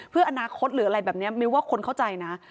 เพื่ออนาคตหรืออะไรแบบนี้มิวว่าคนเข้าใจนะ